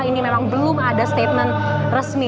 ini memang belum ada statement resmi